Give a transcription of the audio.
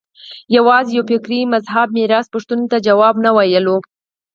یوازې یوه فکري مذهب میراث پوښتنو ته ځواب نه ویلای